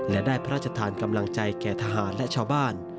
และได้พระราชทานกำลังใจแก่ทหารและชาวบ้าน